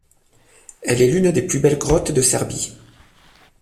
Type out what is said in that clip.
Elle est l'une des plus belles grottes de Serbie.